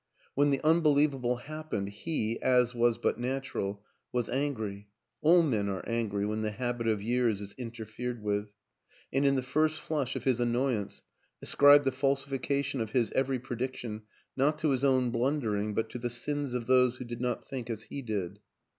When the unbeliev able happened he, as was but natural, was angry all men are angry when the habit of years is interfered with; and in the first flush of his an noyance ascribed the falsification of his every pre diction not to his own blundering, but to the sins of those who did not think as he did.